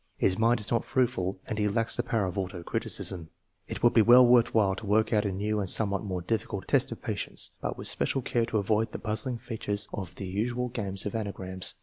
His mind is not fruitful and he lacks the power of auto criticism. It would be well worth while to work out a new and somewhat more difficult " test of patience/' but with special care to avoid the puzzling features of the usual games of anagrams.